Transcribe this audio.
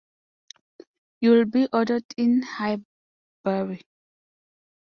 You will be adored in Highbury.